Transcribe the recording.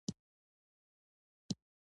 تګ راتګ دې اسانه شي.